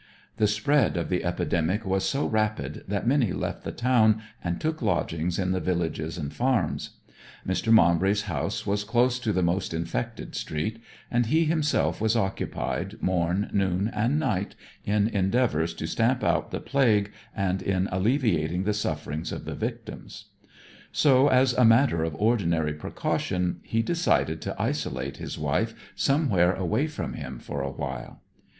The spread of the epidemic was so rapid that many left the town and took lodgings in the villages and farms. Mr. Maumbry's house was close to the most infected street, and he himself was occupied morn, noon, and night in endeavours to stamp out the plague and in alleviating the sufferings of the victims. So, as a matter of ordinary precaution, he decided to isolate his wife somewhere away from him for a while.